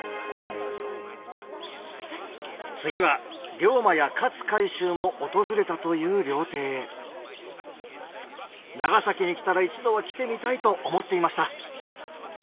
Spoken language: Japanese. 次は龍馬や勝海舟も訪れたという料亭へ長崎に来たら一度は来てみたいと思っていました